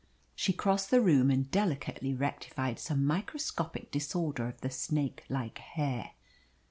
She crossed the room and delicately rectified some microscopic disorder of the snake like hair.